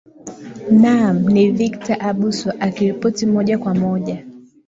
naam ni victor abuso akiripoti moja kwa moja